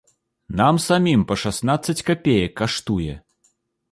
Нам самім па шаснаццаць капеек каштуе!